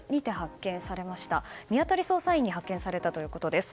見当たり捜査員に発見されたということです。